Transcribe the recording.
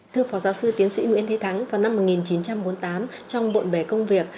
thưa phó giáo sư tiến sĩ nguyễn thế thắng vào năm một nghìn chín trăm bốn mươi tám trong bộn bề công việc